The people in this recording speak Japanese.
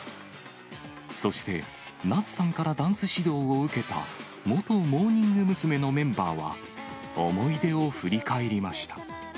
そして夏さんからダンス指導を受けた元モーニング娘。のメンバーは、思い出を振り返りました。